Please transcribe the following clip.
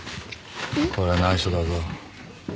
こりゃ内緒だぞ。